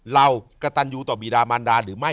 เรากระตันยูต่อบีดามันดาหรือไม่